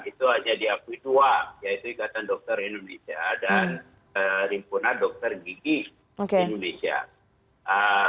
itu hanya diakui dua yaitu ikatan dr indonesia dan rimfuna dr gigi indonesia